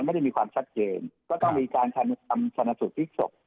ไม่ได้มีความชัดเจนก็ต้องมีการทำชนะสูตรพลิกศพ